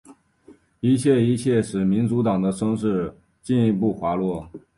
一切一切使民主党的声势进一步滑落。